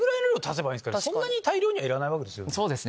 そんなに大量にはいらないわけですよね。